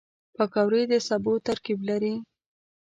پکورې د سبو ترکیب لري